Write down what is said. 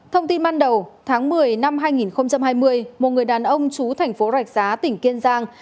thông tin ban đầu tháng một mươi năm hai nghìn hai mươi một người đàn ông chú thành phố rạch giá tỉnh kiên giang